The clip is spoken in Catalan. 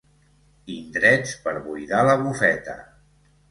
Indrets per buidar la bufeta.